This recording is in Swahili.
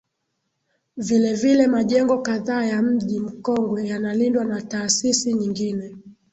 Vilevile majengo kadhaa ya Mji Mkongwe yanalindwa na taasisi nyingine